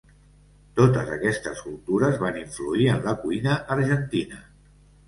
Totes aquestes cultures van influir en la cuina argentina.